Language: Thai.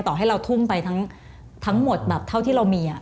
ต่อให้เราทุ่มไปทั้งหมดแบบเท่าที่เรามี